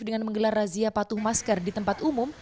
dengan menggelar razia patuh masker di tempat umum